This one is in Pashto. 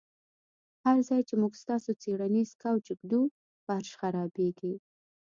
هر ځای چې موږ ستاسو څیړنیز کوچ ږدو فرش خرابیږي